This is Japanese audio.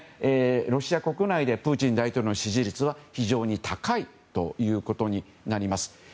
ロシア国内でプーチン大統領の支持率は非常に高いということになります。